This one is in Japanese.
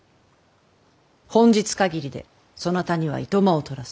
本日限りでそなたには暇をとらす。